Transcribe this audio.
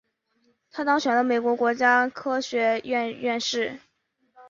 他当选了美国国家科学院院士。